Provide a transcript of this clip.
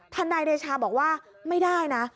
นายเดชาบอกว่าไม่ได้นะ